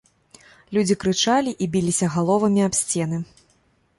Людзі крычалі і біліся галовамі аб сцены.